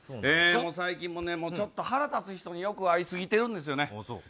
最近もちょっと腹立つ人によく会い過ぎてるんです。